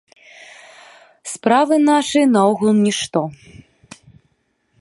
Справы нашы наогул нішто.